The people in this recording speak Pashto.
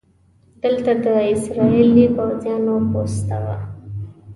دلته د اسرائیلي پوځیانو پوسته وه.